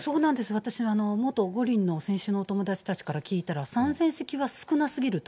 私、元五輪の選手のお友達たちから聞いたら、３０００席は少なすぎると。